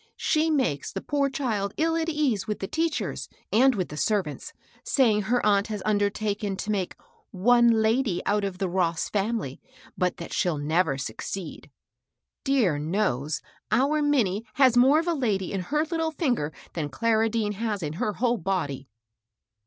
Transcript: She makes the poor child ill at ease with the teach ers, and with the servants, saying her aunt has undertaken to make * one lady out of the Ross &mily,' bu# that she'll never succeeds Dear knows, our Minnie has more of a lady in her ht tle finger than Clara Dean has in her whole body."